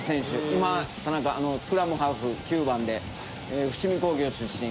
今スクラムハーフ９番で伏見工業出身。